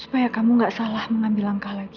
supaya kamu nggak salah mengambil langkah lagi